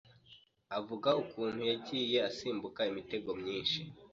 avuga ukuntu yagiye asimbuka imitego myinshi